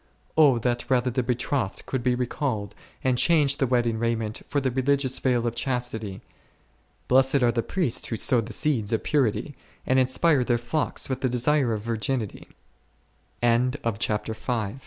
O that rather the betrothed could be recalled, and change the wedding raiment for the religious veil of chastity ! Blessed are the priests who sow the seeds of purity, and inspire their flocks wi